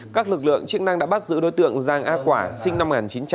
các lực lượng chức năng đã bắt giữ đối tượng giang á quả sinh năm một nghìn chín trăm chín mươi một